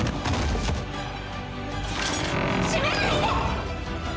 「閉めないで！」